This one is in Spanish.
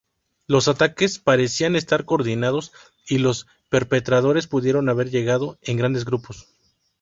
Los ataques parecían estar coordinados y los perpetradores pudieron haber llegado en grandes grupos.